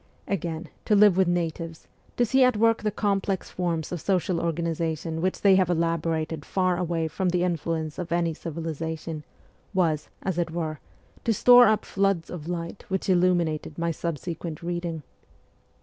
Again, to live with natives, to see at work the complex forms of social organization which they have elaborated far away from the influence of any civilization, was, as it were, to store up floods of light which illuminated my subsequent reading.